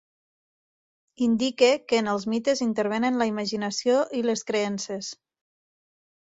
Indique que en els mites intervenen la imaginació i les creences.